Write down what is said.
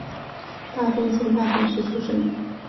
大分县大分市出身。